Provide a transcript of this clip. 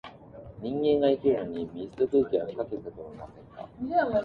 人間が生きるのに、水と空気は不可欠だとは思いませんか？